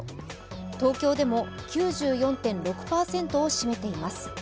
東京でも９４．６％を占めています。